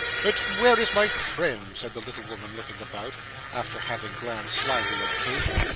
But where is my friend?' said the little woman, looking about, after having glanced slyly at Kate.